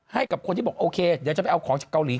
ให้กับคนที่บอกโอเคเดี๋ยวจะไปเอาของจากเกาหลี